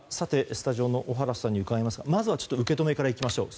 スタジオの小原さんに伺いますがまずは受け止めからいきましょう